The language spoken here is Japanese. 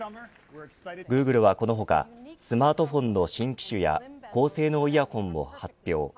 グーグルはこの他スマートフォンの新機種や高性能イヤホンも発表。